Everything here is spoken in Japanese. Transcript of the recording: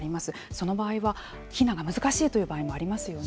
その場合は避難が難しいという場合もありますよね。